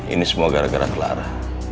ini semua gara gara telara